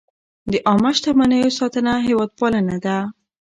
د عامه شتمنیو ساتنه هېوادپالنه ده.